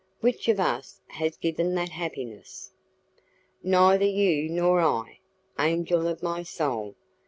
Which of us has given that happiness?" "Neither you nor I, angel of my soul!